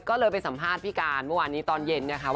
ก็เลยไปสัมภาษณ์พี่การเมื่อวานนี้ตอนเย็นนะคะ